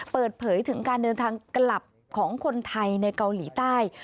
เปิดเผยถึงการเดินทางกลับของคนไทยในเกาหลีใต้